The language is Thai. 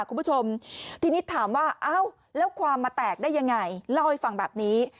คุณผู้ชมทีนี้ถามว่าเอ้าแล้วความมาแตกได้ยังไงเล่าให้ฟังแบบนี้